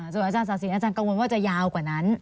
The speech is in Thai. ส่วนอาจารศาสินอาจารย์กังวลว่าจะยาวกว่านั้น